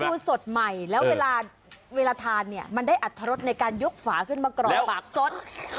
ดูสดใหม่แล้วเวลาเวลาทานเนี่ยมันได้อัตรรสในการยกฝาขึ้นมากรอกปากสด